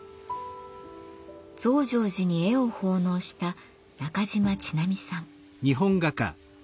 増上寺に絵を奉納した中島千波さん。